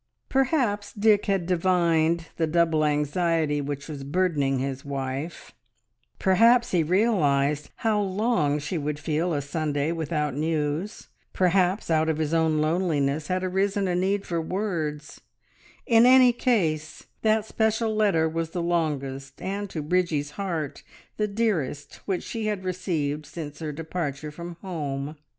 Perhaps Dick had divined the double anxiety which was burdening his wife, perhaps he realised how long she would feel a Sunday without news, perhaps out of his own loneliness had arisen a need for words in any case, that special letter was the longest and, to Bridgie's heart, the dearest which she had received since her departure from home.